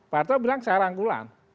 pak harto bilang saya rangkulan